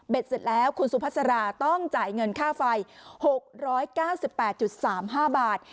เสร็จแล้วคุณสุภาษาต้องจ่ายเงินค่าไฟ๖๙๘๓๕บาท